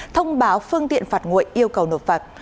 thông báo phương tiện phạt nguội yêu cầu nộp phạt